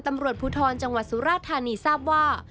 ตำรวจภูทรจังหวัดสุราธานีทราบว่า